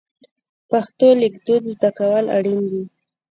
پښتو لیکدود زده کول اړین دي.